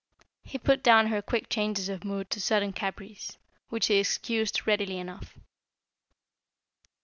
He put down her quick changes of mood to sudden caprice, which he excused readily enough.